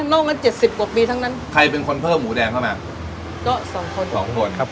นอกนั้นเจ็ดสิบกว่าปีทั้งนั้นใครเป็นคนเพิ่มหมูแดงเข้ามาก็สองคนสองคนครับ